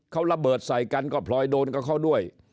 เขาระเบิดใส่กันก็พลอยโดนกับเขาด้วย